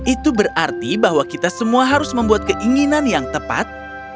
itu berarti bahwa kita semua harus membuat keinginan yang tepat